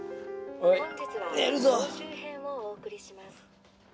「本日は総集編をお送りします」